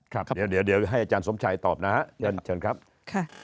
ครับเดี๋ยวให้อาจารย์สมชัยตอบนะฮะเชิญเชิญครับค่ะ